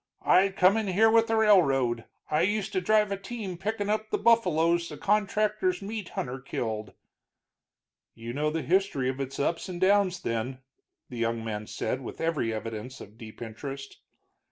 I come in here with the railroad, I used to drive a team pickin' up the buffaloes the contractors' meat hunter killed." "You know the history of its ups and downs, then," the young man said, with every evidence of deep interest.